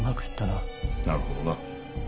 なるほどな。